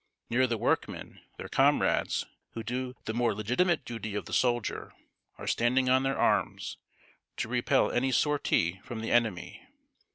Near the workmen, their comrades, who do the more legitimate duty of the soldier, are standing on their arms, to repel any sortie from the enemy.